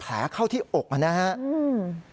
๒๐แผลเข้าที่อกมานะครับ